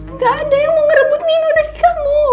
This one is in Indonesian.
nggak ada yang mau ngerebut nino dari kamu